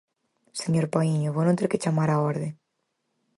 Señor Paíño, vouno ter que chamar á orde.